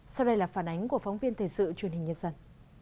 sau đây là phản ánh của phóng viên thời sự truyền hình nhân dân